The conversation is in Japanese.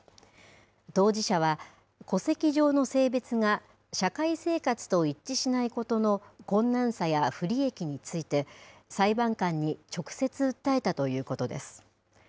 当事者は、戸籍上の性別が社会生活と一致しないことの困難さや不利益について、裁判官に直接訴えたということです。